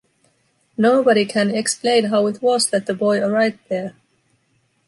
Nobody can explain how it was that the boy arrived there.